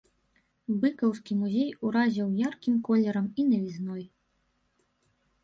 Быкаўскі музей уразіў яркім колерам і навізной.